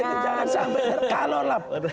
ya itu jangan sampai kalau lah